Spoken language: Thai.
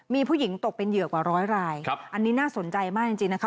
มีผู้หญิงตกเป็นเหยื่อกว่าร้อยรายอันนี้น่าสนใจมากจริงนะคะ